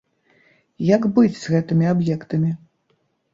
Як быць з гэтымі аб'ектамі?